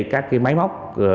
các cái máy móc